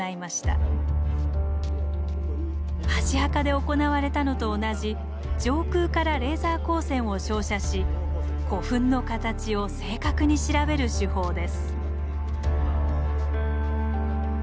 箸墓で行われたのと同じ上空からレーザー光線を照射し古墳の形を正確に調べる手法です。